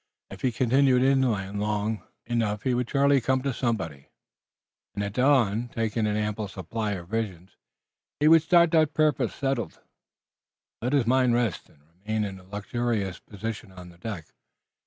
If he continued inland long enough he would surely come to somebody, and at dawn, taking an ample supply of provisions, he would start. That purpose settled, he let his mind rest, and remained in a luxurious position on the deck.